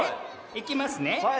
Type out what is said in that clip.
いきます！